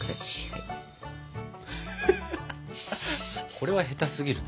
これは下手すぎるね。